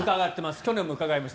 去年も伺いました。